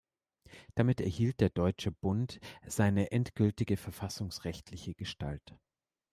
Damit erhielt der Deutsche Bund seine endgültige verfassungsrechtliche Gestalt.